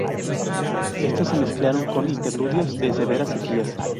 Estos se mezclaron con los interludios de severas sequías.